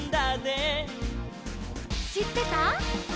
「しってた？」